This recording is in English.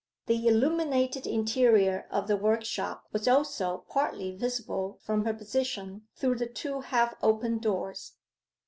The illuminated interior of the workshop was also partly visible from her position through the two half open doors.